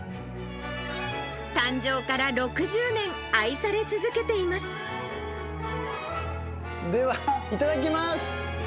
誕生から６０年、愛され続けていではいただきます。